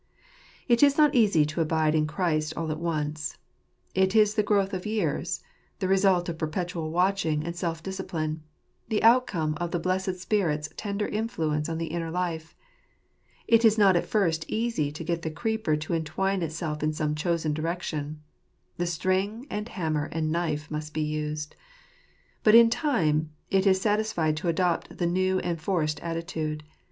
It is not easy to abide in Christ all at once , It is the growth of years; the result of perpetual watching and self discipline; the outcome of the blessed Spirit's tender influence on the inner life. It is not at first easy to get the creeper to entwine itself in some chosen direction. The string, and hammer, and knife, must be used ; but in time it is satisfied to adopt the new and forced attitude.